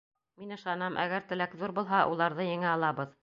Мин ышанам, әгәр теләк ҙур булһа, уларҙы еңә алабыҙ.